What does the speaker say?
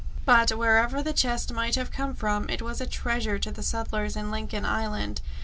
But, wherever the chest might have come from, it was a treasure to the settlers on Lincoln Island.